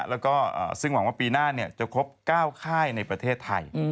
แล้วก็ซึ่งหวังว่าปีหน้าจะครบ๙ค่ายในประเทศไทย